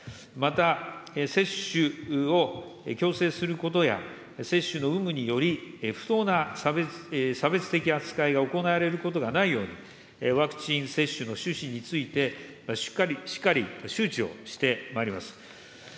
また、接種を強制することや、接種の有無により、不当な差別的扱いが行われることがないように、ワクチン接種の趣旨について、しっかり周知をしてまいります。